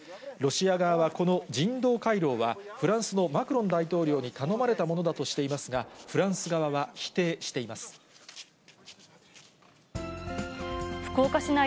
ロシア側はこの人道回廊は、フランスのマクロン大統領に頼まれたものだとしていますが、フランス側は否定しています。